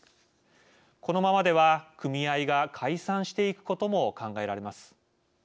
このままでは組合が解散していくことも考えられます。